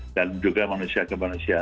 dan juga manusia ke manusia